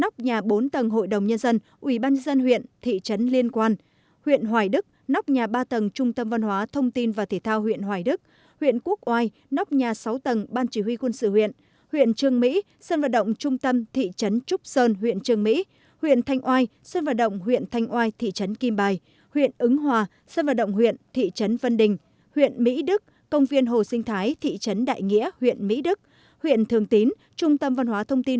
quang huyện hoài đức nóc nhà ba tầng trung tâm văn hóa thông tin và thể thao huyện hoài đức huyện quốc oai nóc nhà sáu tầng ban chỉ huy quân sự huyện huyện trường mỹ sân vật động trung tâm thị trấn trúc sơn huyện trường mỹ huyện thanh oai sân vật động huyện thanh oai thị trấn kim bài huyện ứng hòa sân vật động huyện thị trấn vân đình huyện mỹ đức công viên hồ sinh thái thị trấn đại nghĩa huyện mỹ đức huyện thường tín trung tâm văn hóa thông tin